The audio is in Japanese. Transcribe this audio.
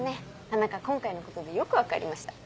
田中今回のことでよく分かりました。